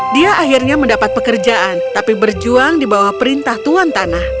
dia akhirnya mendapat pekerjaan tapi berjuang di bawah perintah tuan tanah